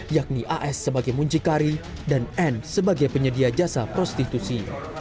yakni as sebagai muncikari dan n sebagai penyedia jasa prostitusi